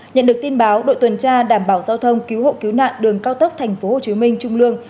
nhận được tin báo đội tuần tra đảm bảo giao thông cứu hộ cứu nạn đường cao tốc tp hcm trung lương